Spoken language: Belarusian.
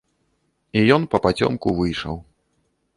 І ён папацёмку выйшаў.